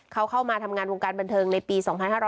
เขาเข้ามาทำงานวงการบันเทิงในปี๒๕๕๙